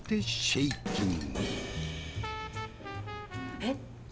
えっ。